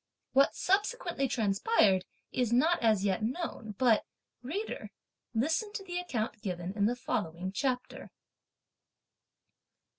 What subsequently transpired is not as yet known, but, reader, listen to the account given in the following chapter.